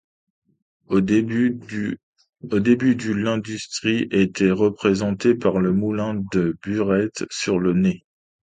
Au début du l'industrie était représentée par le moulin de Burette, sur le Né.